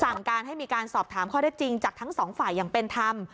สั่งการให้มีการสอบถามข้อได้จริงจากทั้งสองฝ่ายอย่างเป็นธรรม